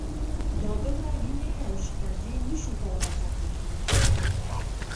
دا دومره وینې او شکنجې نه شو کولای ختمې کړو.